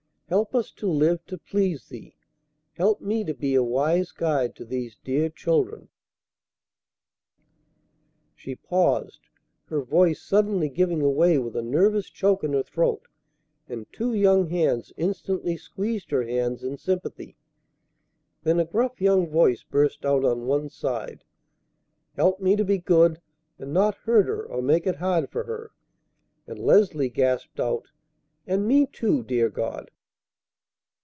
Help us to live to please Thee. Help me to be a wise guide to these dear children " She paused, her voice suddenly giving way with a nervous choke in her throat, and two young hands instantly squeezed her hands in sympathy. Then a gruff young voice burst out on one side, "Help me to be good, and not hurt her or make it hard for her." And Leslie gasped out, "And me, too, dear God!"